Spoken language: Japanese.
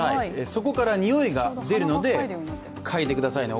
そこから、においが出るのでかいでくださいね。